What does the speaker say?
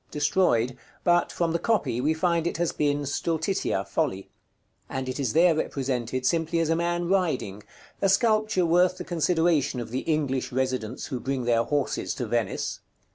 _ Destroyed; but, from the copy, we find it has been Stultitia, Folly; and it is there represented simply as a man riding, a sculpture worth the consideration of the English residents who bring their horses to Venice.